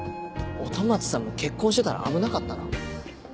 音松さんも結婚してたら危なかったな。